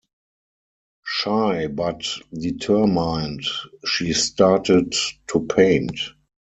Shy but determined, she started to paint.